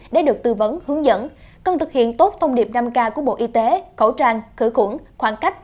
để được tư vấn hướng dẫn cần thực hiện tốt thông điệp năm k của bộ y tế khẩu trang khử khuẩn khoảng cách